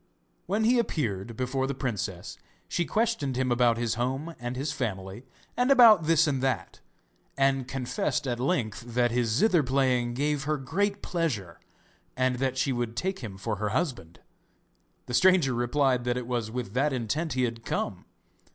When he appeared before the princess she questioned him about his home and his family, and about this and that; and confessed at length that his zither playing gave her great pleasure, and that she would take him for her husband. The stranger replied that it was with that intent he had come.